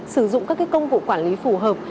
sử dụng các công cụ quản lý phù hợp